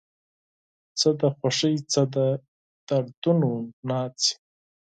څه د خوښۍ څه د دردونو ناڅي